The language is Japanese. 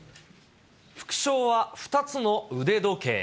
副賞は２つの腕時計。